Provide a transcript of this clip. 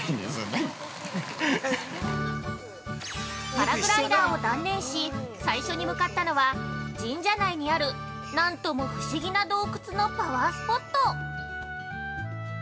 ◆パラグライダーを断念し、最初に向かったのは、神社内にある何とも不思議な洞窟のパワースポット。